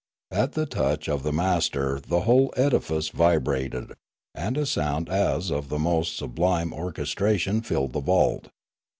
At the touch of the master the whole edifice vibrated, and a sound as of the most sublime orchestration filled the vault.